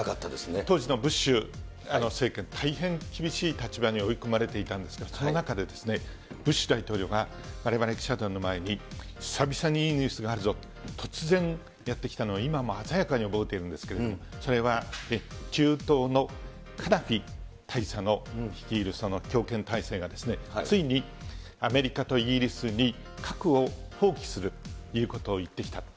当時のブッシュ政権、大変厳しい立場に置かれていたんですが、その中で、ブッシュ大統領がわれわれ記者団の前に、久々にいいニュースがあるぞ、突然やって来たのを、今も鮮やかに覚えてるんですけれども、それは中東のカダフィ大佐の率いる強権体制が、ついにアメリカとイギリスに核を放棄するということを言ってきたと。